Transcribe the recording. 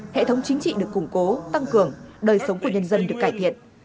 hệ thống chính trị được củng cố tăng cường đời sống của nhân dân được cải thiện